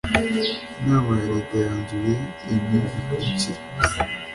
inama ya leta yanzuye ibi bikurikira